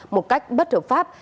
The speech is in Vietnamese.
một cách bất hợp pháp